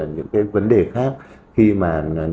những cái vấn đề khác khi mà